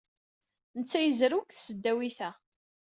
Netta yezrew deg tesdawit-a.